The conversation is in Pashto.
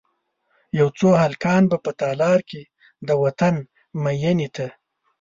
یو څو هلکان به په تالار کې، د وطن میینې ته،